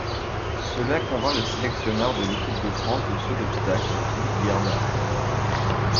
Cela convainc le sélectionneur de l'équipe de France de saut d'obstacles Philippe Guerdat.